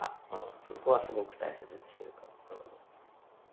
そこはすごく大切にしてるかも。